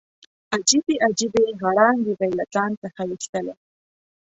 عجیبې عجیبې غړانګې به یې له ځان څخه ویستلې.